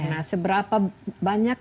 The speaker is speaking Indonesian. nah seberapa banyak